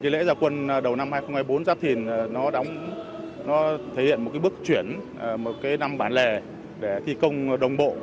lễ gia quân đầu năm hai nghìn hai mươi bốn giáp thìn nó thể hiện một bước chuyển một năm bản lề để thi công đồng bộ